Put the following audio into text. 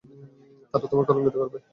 তারা তোমাকে কলঙ্কিত করবে।